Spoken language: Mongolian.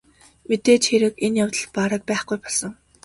Мэдээж хэрэг энэ явдал бараг байхгүй болсон.